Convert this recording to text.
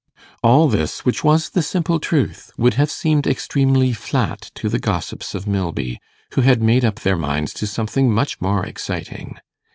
All this, which was the simple truth, would have seemed extremely flat to the gossips of Milby, who had made up their minds to something much more exciting.